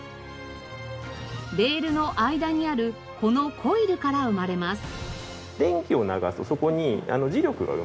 レールの間にあるこのコイルから生まれます。